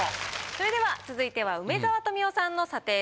それでは続いては梅沢富美男さんの査定です。